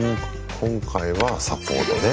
今回はサポートね。